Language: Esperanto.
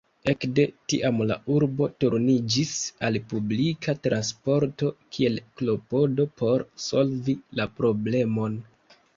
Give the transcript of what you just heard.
Ekde tiam la urbo turniĝis al publika transporto kiel klopodo por solvi la problemon.